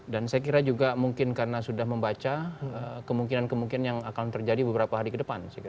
dan saya kira juga mungkin karena sudah membaca kemungkinan kemungkinan yang akan terjadi beberapa hari ke depan